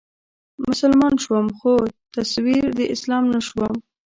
مسلمان شوم خو تصوير د اسلام نه شوم